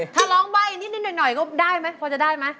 ถ้าร้องใบ้นิดหน่อยก็ได้ไหมพอจะได้ไหม